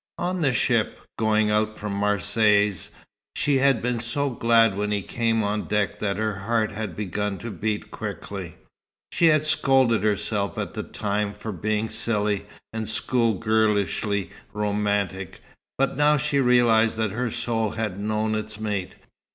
On the ship, going out from Marseilles, she had been so glad when he came on deck that her heart had begun to beat quickly. She had scolded herself at the time, for being silly, and school girlishly romantic; but now she realized that her soul had known its mate.